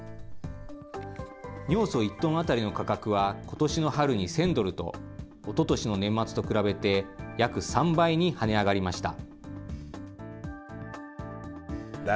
尿素１トン当たりの価格はことしの春に１０００ドルと、おととしの年末と比べて、約３倍に跳ね上がりました。